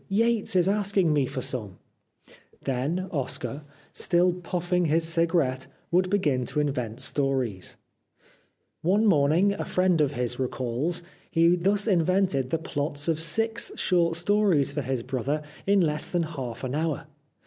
Yates is asking me for some." Then Oscar, still puffing his cigarette, would 315 The Life of Oscar Wilde begin to invent stories. One morning, a friend of his recalls, he thus invented the plots of six short stories for his brother in less than half an hour.